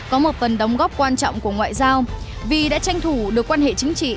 có một phần đóng góp quan trọng của ngoại giao vì đã tranh thủ được quan hệ chính trị